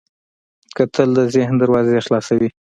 کتل د ذهن دروازې خلاصوي